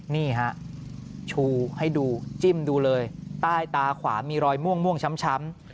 นี่ฮะชูให้ดูจิ้มดูเลยใต้ตาขวามีรอยม่วงช้ำ